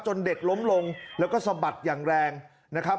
เด็กล้มลงแล้วก็สะบัดอย่างแรงนะครับ